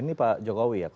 ini pak jokowi ya